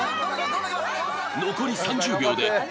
残り３０秒でＢ